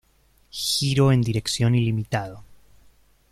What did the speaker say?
Giro en dirección ilimitado.